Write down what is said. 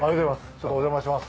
ちょっとお邪魔します。